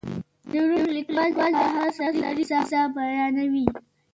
د روم لیکوال د هغه سړي کیسه بیانوي.